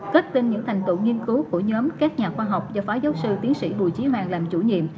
kết tinh những thành tựu nghiên cứu của nhóm các nhà khoa học do phó giáo sư tiến sĩ bùi trí mạng làm chủ nhiệm